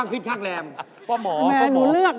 พี่สุ